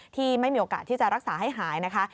ที่ไม่มีโอกาสที่จะรักษาให้หายนะคะ